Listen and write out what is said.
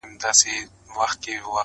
o ډول ئې د ډولزن په لاس ورکړى٫